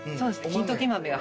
金時豆が。